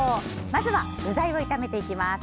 まずは具材を炒めていきます。